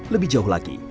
lebih jauh lagi